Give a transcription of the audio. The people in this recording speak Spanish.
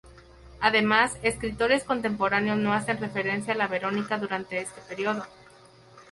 Además, escritores contemporáneos no hacen referencia a la Verónica durante este periodo.